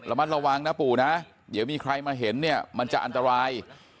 มัดระวังนะปู่นะเดี๋ยวมีใครมาเห็นเนี่ยมันจะอันตราย